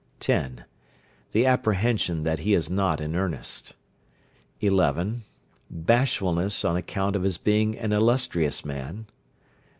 10. The apprehension that he is not in earnest. 11. Bashfulness on account of his being an illustrious man.